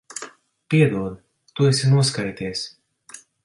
Piedod. Tu esi noskaities.